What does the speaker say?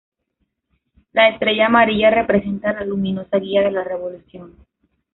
La estrella amarilla representa la luminosa guía de la revolución.